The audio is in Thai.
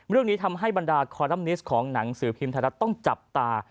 เรื่องนี้ทำให้บรรดาคอลัมนิสต์ของหนังสือพิมพ์ไทยรัฐต้องจับตา